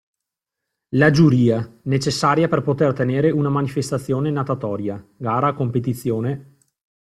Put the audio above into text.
La giuria, necessaria per poter tenere una manifestazione natatoria (gara, competizione, …).